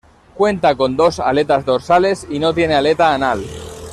Cuenta con dos aletas dorsales y no tiene aleta anal.